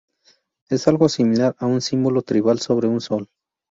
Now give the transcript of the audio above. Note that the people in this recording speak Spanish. Es algo similar a un símbolo tribal sobre un sol.